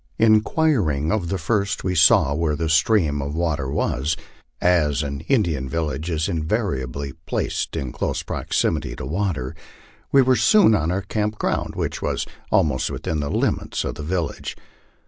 Inquiring of the first we saw where the stream of water was, as an Indian village is invariably placed in close proximity to water, we were soon on our camp ground, which was almost within the limits of the village.